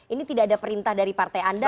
ini tidak ada perintah dari partai anda